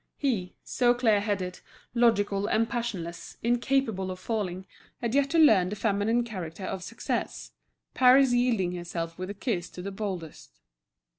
He, so clear headed, logical and passionless, incapable of falling, had yet to learn the feminine character of success, Paris yielding herself with a kiss to the boldest.